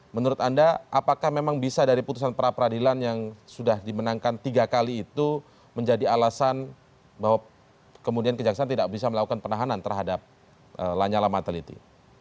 menurut anda apakah memang bisa dari putusan pra peradilan yang sudah dimenangkan tiga kali itu menjadi alasan bahwa kemudian kejaksaan tidak bisa melakukan penahanan terhadap lanyala mataliti